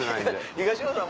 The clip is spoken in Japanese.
東野さん